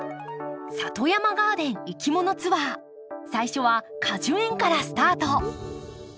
里山ガーデンいきものツアー最初は果樹園からスタート！